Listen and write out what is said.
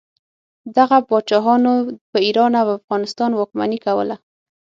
دغه پاچاهانو په ایران او افغانستان واکمني کوله.